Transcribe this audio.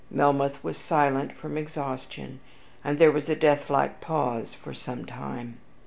Melmoth was silent from exhaustion, and there was a deathlike pause for some time.